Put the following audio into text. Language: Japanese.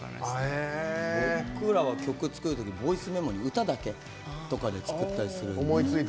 僕らは曲を作るときにボイスメモに歌だけ作ったりとか。